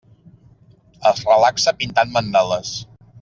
Es relaxa pintant mandales.